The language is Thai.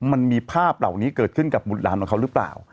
มันมีภาพเหล่านี้เกิดขึ้นกับบุตรหลานของเขาหรือเปล่า